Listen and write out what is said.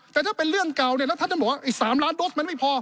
แต่ถ้าเป็นเรื่องเก่าเนี่ยแล้วท่านจะบอกว่าไอ้๓ล้านโดสมันไม่พอ